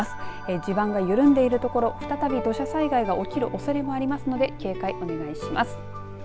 地盤が緩んでいる所再び土砂災害が起きるおそれもありますので警戒をお願いします。